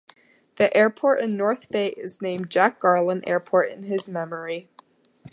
The airport in North Bay is named Jack Garland Airport in his memory.